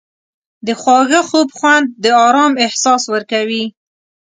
د خواږه خوب خوند د آرام احساس ورکوي.